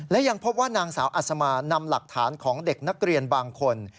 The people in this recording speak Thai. และยังพบว่านางสาวอัศมานำหลักฐานของเด็กนักเรียนบางคน